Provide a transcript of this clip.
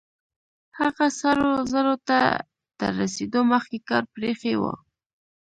هغه سرو زرو ته تر رسېدو مخکې کار پرېښی و.